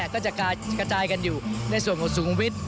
ก็จะกระจายกันอยู่ในส่วนกลุ่มสุขุมวิทร์